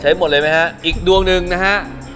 หมดเลยไหมฮะอีกดวงหนึ่งนะฮะ